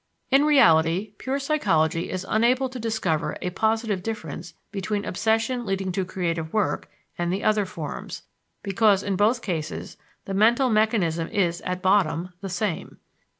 In reality, pure psychology is unable to discover a positive difference between obsession leading to creative work and the other forms, because in both cases the mental mechanism is, at bottom, the same.